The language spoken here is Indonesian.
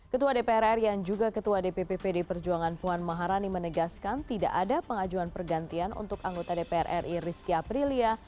ketua dprr yang juga ketua dpppd perjuangan puan maharani menegaskan tidak ada pengajuan pergantian untuk anggota dprri rizky apri